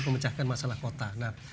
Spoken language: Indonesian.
pemecahkan masalah kota